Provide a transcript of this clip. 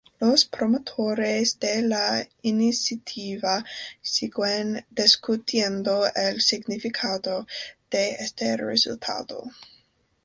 Los promotores de la iniciativa siguen discutiendo el significado de este resultado.